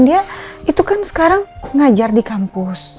dia itu kan sekarang ngajar di kampus